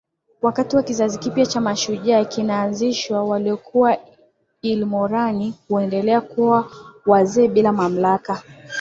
Wakati kizazi kipya cha mashujaa kinaanzishwa waliokuwa ilmorani huendelea kuwa wazee bila mamlaka